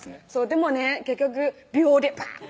でもね結局秒でバーン！